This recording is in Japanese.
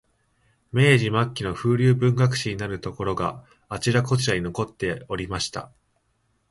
明治末期の風流文学史になるところが、あちらこちらに残っておりました